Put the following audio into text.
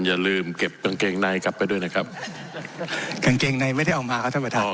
อย่าลืมเก็บกางเกงในกลับไปด้วยนะครับกางเกงในไม่ได้เอามาครับท่านประธาน